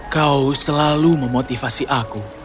kau selalu memotivasi aku